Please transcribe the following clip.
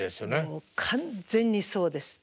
もう完全にそうです。